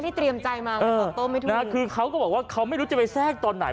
ไม่ได้เตรียมใจมาเออคือเขาก็บอกว่าเขาไม่รู้จะไปแทรกตอนไหน